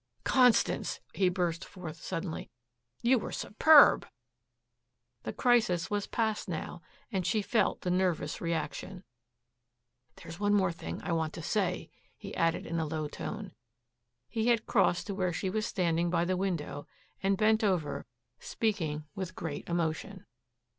"Constance," he burst forth suddenly, "you were superb." The crisis was past now and she felt the nervous reaction. "There is one thing more I want to say," he added in a low tone. He had crossed to where she was standing by the window, and bent over, speaking with great emotion.